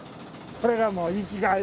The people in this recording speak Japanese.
これが生きがい。